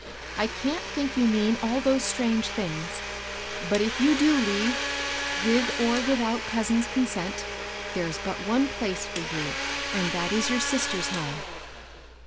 I can't think you mean all those strange things ; but if you do leave, with or without cousin's consent, there's but one place for you, and that is your sis torV home."